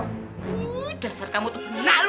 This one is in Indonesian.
udah ser kamu tuh nah lo